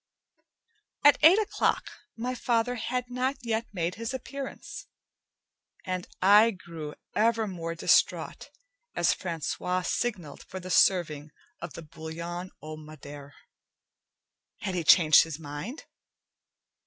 At eight o'clock, my father had not yet made his appearance, and I grew ever more distraught as Francois signalled for the serving of the bouillon au madere. Had he changed his mind?